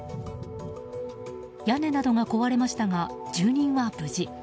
屋根などは壊れましたが住人は無事。